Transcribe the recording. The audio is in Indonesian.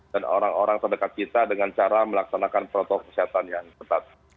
dan orang orang terdekat kita dengan cara melaksanakan protokol kesehatan yang tepat